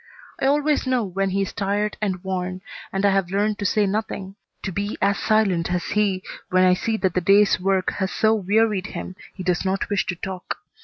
I always know when he is tired and worn, and I have learned to say nothing, to be as silent as he when I see that the day's work has so wearied him he does not wish to talk.